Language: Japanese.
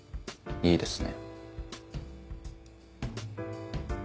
いいですね。